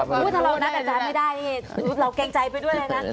พูดถ้าเรานัดกันจานไม่ได้เราเกรงใจไปด้วยเลยนะ